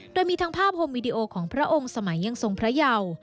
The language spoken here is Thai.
โดยมีทั้งภาพโฮมวิดีโอของพระองค์สมัยยังทรงพระเยา